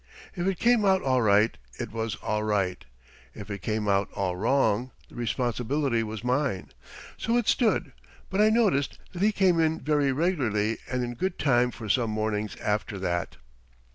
If it came out all right, it was all right; if it came out all wrong, the responsibility was mine. So it stood, but I noticed that he came in very regularly and in good time for some mornings after that.